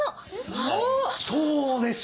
そうです！